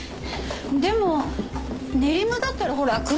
でも練馬だったらほら車とか。